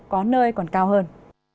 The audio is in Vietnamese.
có nơi còn cao hơn